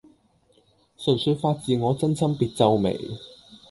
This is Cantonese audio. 純粹發自我真心別皺眉